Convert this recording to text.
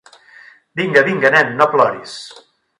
Vinga, vinga, nen, no ploris.